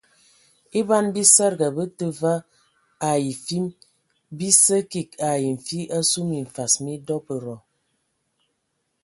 E ban bisədəga bə tə vaa ai fim bi sə kig ai nfi asu minfas mi dɔbədɔ.